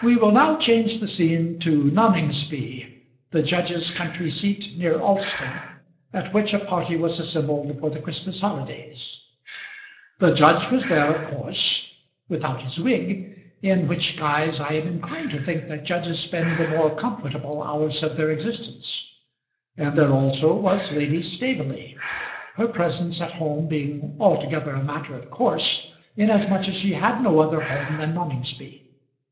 We will now change the scene to Noningsby, the judge's country seat, near Alston, at which a party was assembled for the Christmas holidays. The judge was there of course, without his wig; in which guise I am inclined to think that judges spend the more comfortable hours of their existence; and there also was Lady Staveley, her presence at home being altogether a matter of course, inasmuch as she had no other home than Noningsby.